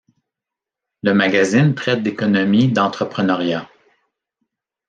Le magazine traite d’économie d'entrepreneuriat.